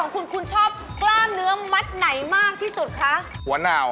คุณเคยใช้สเตอร์ลอยล์ไหมครับ